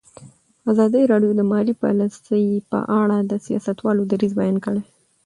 ازادي راډیو د مالي پالیسي په اړه د سیاستوالو دریځ بیان کړی.